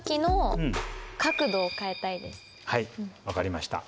はい分かりました。